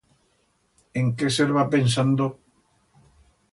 En qué serba pensando?